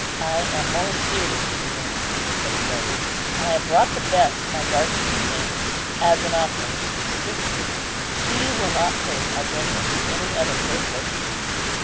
"I am more serious than you are," said Agellius; "and I have brought the best my garden contains as an offering to your sister. She will not think I bring them for any other purpose.